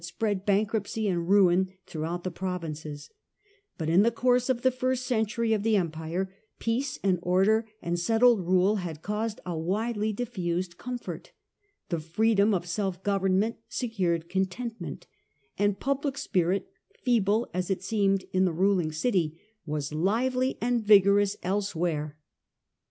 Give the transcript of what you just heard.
spread bankruptcy and ruin throughout the provinces; but in the course of the first ccntuiy of the Empire peace and order and settled rule had caused a widely diffused comfort; the freedom of self govern ment secured contentment ; and public spirit, feeble as it seemed in the ruling city, was lively and vigorous else where.